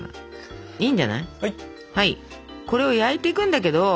これを焼いていくんだけど。